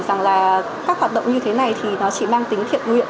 rằng là các hoạt động như thế này thì nó chỉ mang tính thiện nguyện